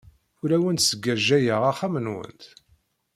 Ur awent-sgajjayeɣ axxam-nwent.